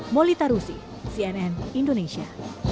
moly tarusi cnn indonesia